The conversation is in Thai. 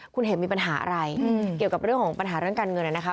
คุณเห็มมีปัญหาอะไรเกี่ยวกับเรื่องของปัญหาเรื่องการเงินนะคะ